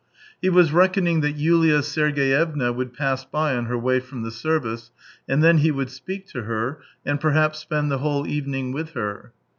He was reckoning that Yulia Sergeyevna would pass by on her way from the service, and then he would speak to her, and perhaps spend the whole evening with her.